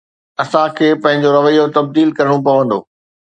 اسان کي پنهنجو رويو تبديل ڪرڻو پوندو